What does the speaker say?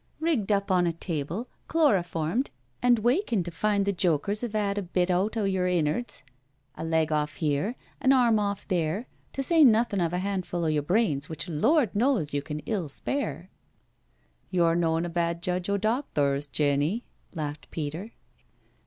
Rigged up on a table — chloroformed— and waken to find the jokers 'ave 'ad a bit out o' yer innards— a leg off here, an arm off there, to say nothing of a handful o' your brains which Lord knows you can ill spare?" 6 NO SURRENDER •' You*re noan a bad judge o* docthers, Jenny," laughed Peter.